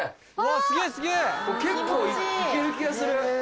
結構行ける気がする。